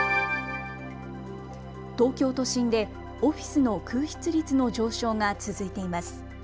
東京都心でオフィスの空室率の上昇が続いています。